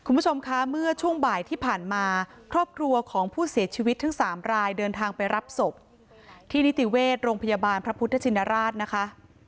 คุณผู้ชมคะเมื่อช่วงบ่ายที่ผ่านมาครอบครัวของผู้เสียชีวิตทั้งสามรายเดินทางไปรับศพที่นิติเวชโรงพยาบาลพระพุทธชินราชนะคะ